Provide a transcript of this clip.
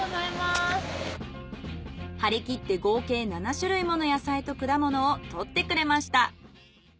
張り切って合計７種類もの野菜と果物を採ってくれました。